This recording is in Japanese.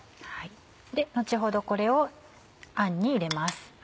後ほどこれをあんに入れます。